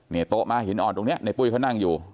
โต๊ะม้าหินอ่อนตรงนี้ในปุ้ยเขานั่งอยู่